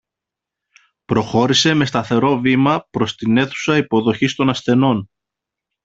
Προχώρησε με σταθερό βήμα προς την αίθουσα υποδοχής των ασθενών